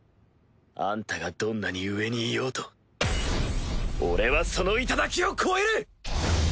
アンタがどんなに上にいようと俺はその頂を超える！